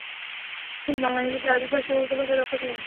তিনি বাংলা, ইংরেজি, আরবি, ফারসি ও উর্দু ভাষায় দক্ষ ছিলেন।